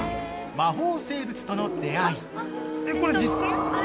魔法生物との出会い」。